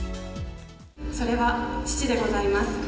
それは父でございます。